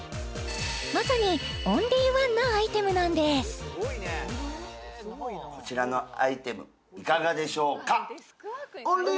まさにオンリーワンなアイテムなんですこちらのアイテムいかがでしょうか？